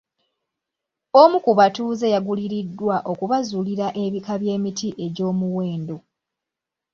Omu ku batuuze yaguliriddwa okubazuulira ebika by'emiti egy'omuwendo.